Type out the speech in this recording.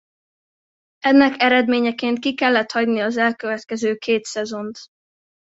Ennek eredményeként ki kellett hagynia az elkövetkező két szezont.